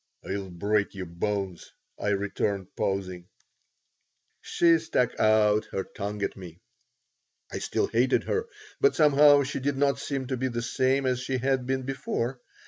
"I'll break your bones," I returned, pausing She stuck out her tongue at me I still hated her, but, somehow, she did not seem to be the same as she had been before.